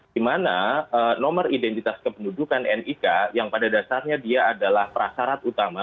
di mana nomor identitas kependudukan nik yang pada dasarnya dia adalah prasarat utama